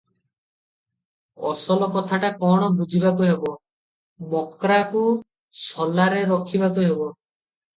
ଅସଲ କଥାଟା କ’ଣ ବୁଝିବାକୁ ହେବ ।' ମକ୍ରାକୁ ସଲାରେ ରଖିବାକୁ ହେବ ।